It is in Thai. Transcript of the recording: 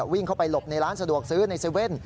วิ่งเข้าไปหลบในร้านสะดวกซื้อใน๗๑๑